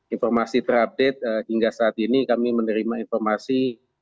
informasi terupdate hingga saat ini kami menerima informasi